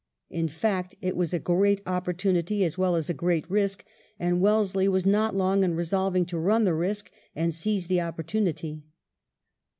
In fact^ it was a great opportunity as well as a great risk, and Wellesley was not long in resolving to run the risk and seize the opportunity.